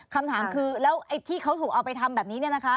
คำถามคือแล้วไอ้ที่เขาถูกเอาไปทำแบบนี้เนี่ยนะคะ